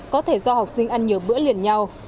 có thể do học sinh ăn nhiều bữa liền nhau